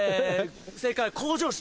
正解は向上心。